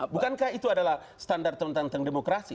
bukankah itu adalah standar tentang demokrasi